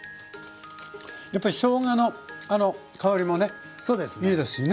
やっぱりしょうがの香りもねいいですしね。